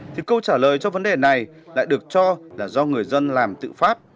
thì câu trả lời cho vấn đề này lại được cho là do người dân làm tự phát